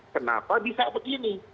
kenapa bisa begini